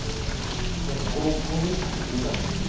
何か５６本に裂けていかないですか？